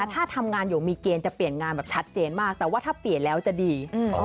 ถ้าทำงานอยู่มีเกณฑ์จะเปลี่ยนงานแบบชัดเจนมากแต่ว่าถ้าเปลี่ยนแล้วจะดี